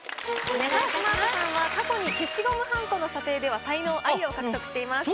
高橋真麻さんは過去に消しゴムはんこの査定では才能アリを獲得しています。